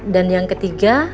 dan yang ketiga